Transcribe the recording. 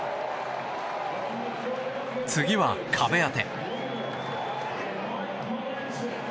次は壁当て。